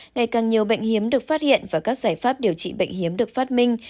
ngày càng nhiều bệnh hiếm được phát hiện và các giải pháp điều trị bệnh hiếm được phát minh